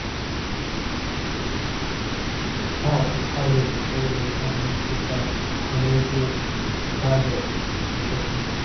Part of this highway is a toll road administered by Panavial, a private concessionary.